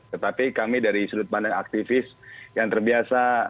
tetapi kami dari sudut pandang aktivis yang terbiasa